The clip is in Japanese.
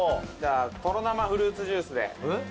とろ生フルーツジュースで。